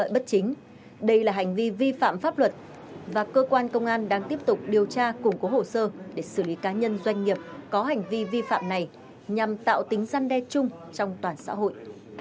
hành vi vi phạm pháp luật và cơ quan công an đang tiếp tục điều tra củng cố hồ sơ để xử lý cá nhân doanh nghiệp có hành vi vi phạm này nhằm tạo tính gian đe chung trong toàn xã hội